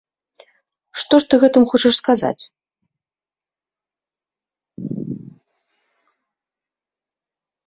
Што ж ты гэтым хочаш сказаць?